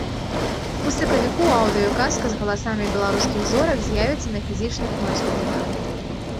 У сакавіку аўдыё-казка з галасамі беларускіх зорак з'явіцца на фізічных носьбітах.